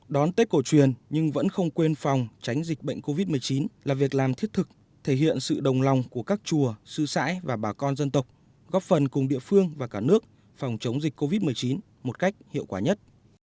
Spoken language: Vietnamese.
đón tết cổ truyền nhưng vẫn không quên phòng tránh dịch bệnh covid một mươi chín là việc làm thiết thực thể hiện sự đồng lòng của các chùa sư sãi và bà con dân tộc góp phần cùng địa phương và cả nước phòng chống dịch covid một mươi chín một cách hiệu quả nhất